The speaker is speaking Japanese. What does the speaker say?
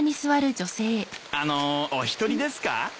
あのお一人ですか？